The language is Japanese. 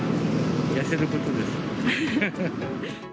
痩せることです。